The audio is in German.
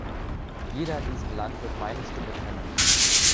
Jeder in diesem Land wird meine Stimme kennen!